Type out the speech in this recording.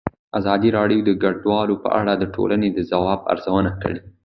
ازادي راډیو د کډوال په اړه د ټولنې د ځواب ارزونه کړې.